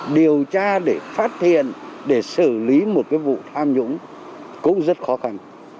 điều tra để phát hiện để xử lý một cái vụ tham nhũng cũng rất khó khăn